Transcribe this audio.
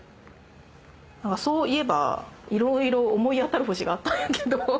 そういえばいろいろ思い当たる節があったんやけど。